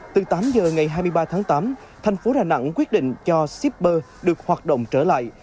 từ tám giờ ngày hai mươi ba tháng tám thành phố đà nẵng quyết định cho shipper được hoạt động trở lại